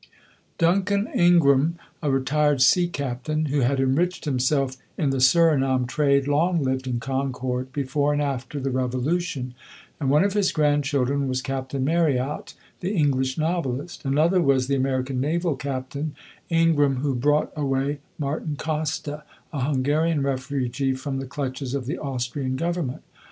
Duncan Ingraham, a retired sea captain, who had enriched himself in the Surinam trade, long lived in Concord, before and after the Revolution, and one of his grandchildren was Captain Marryatt, the English novelist; another was the American naval captain, Ingraham, who brought away Martin Kosta, a Hungarian refugee, from the clutches of the Austrian government.